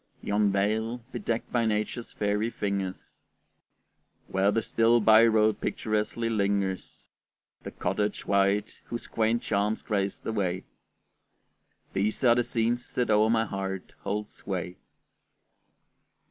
Yon vale, bedecked by nature's fairy fingers, Where the still by road picturesquely lingers, The cottage white whose quaint charms grace the way These are the scenes that o'er my heart hold sway.